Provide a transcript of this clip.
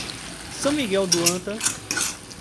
São Miguel do Anta